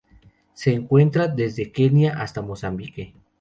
Se encuentra desde Kenia hasta Mozambique.